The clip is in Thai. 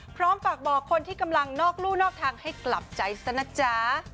พร้อมฝากบอกคนที่กำลังนอกลู่นอกทางให้กลับใจซะนะจ๊ะ